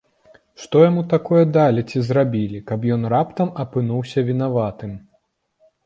Што яму такое далі ці зрабілі, каб ён раптам апынуўся вінаватым?